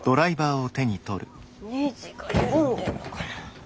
ネジが緩んでるのかな？